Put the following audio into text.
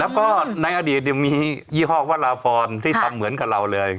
แล้วก็ในอดีตมียี่ห้อวราพรที่ทำเหมือนกับเราเลย